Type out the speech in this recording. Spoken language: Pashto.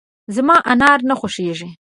زما انار نه خوښېږي .